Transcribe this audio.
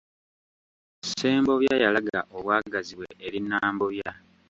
Ssembobya yalaga obwagazi bwe eri Nambobya.